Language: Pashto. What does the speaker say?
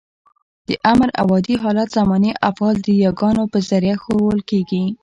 د امر او عادي حالت زماني افعال د يګانو په ذریعه ښوول کېږي.